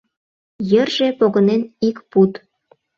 Йырже погынен ик пуд.